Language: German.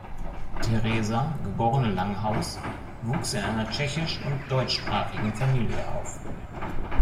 Tereza, geborene Langhaus, wuchs in einer tschechisch- und deutschsprachigen Familie auf.